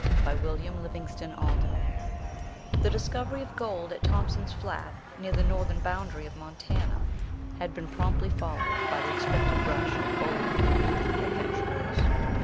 W. H. HUDSON. MONTY'S FRIEND The discovery of gold at Thompson's Flat, near the northern boundary of Montana, had been promptly followed by the expected rush of bold and needy adventurers.